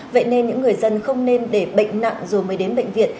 vậy nên những người dân không nên để bệnh nặng rồi mới đến bệnh viện